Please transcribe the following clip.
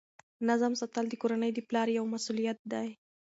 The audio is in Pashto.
نظم ساتل د کورنۍ د پلار یوه مسؤلیت ده.